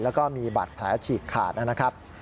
แล้วก็มีบาดแผลฉีกขาดนะครับ